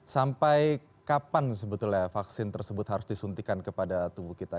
sampai kapan sebetulnya vaksin tersebut harus disuntikan kepada tubuh kita